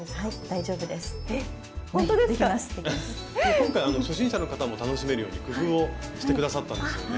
今回初心者の方も楽しめるように工夫をしてくださったんですよね。